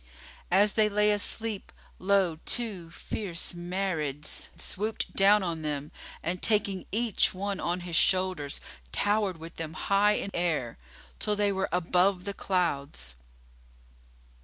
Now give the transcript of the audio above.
As they lay asleep, lo! two fierce Marids swooped down on them and, taking each one on his shoulders, towered with them high in air, till they were above the clouds.